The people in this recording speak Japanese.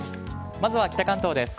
まずは北関東です。